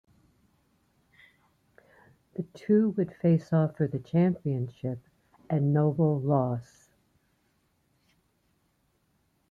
The two would face off for the Championship and Noble lost.